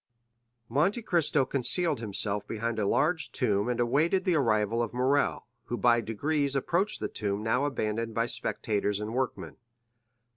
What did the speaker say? Monte Cristo concealed himself behind a large tomb and awaited the arrival of Morrel, who by degrees approached the tomb now abandoned by spectators and workmen.